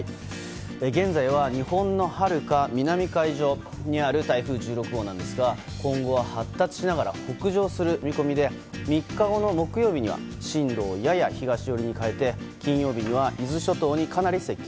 現在は日本のはるか南海上にある台風１６号なんですが今後は発達しながら北上する見込みで３日後の木曜日には進路をやや東寄りに変えて金曜日には伊豆諸島にかなり接近。